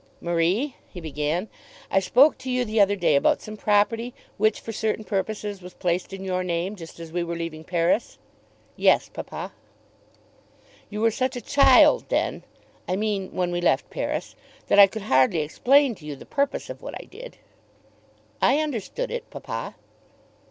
"Marie," he began, "I spoke to you the other day about some property which for certain purposes was placed in your name just as we were leaving Paris." "Yes, papa." "You were such a child then, I mean when we left Paris, that I could hardly explain to you the purpose of what I did." "I understood it, papa."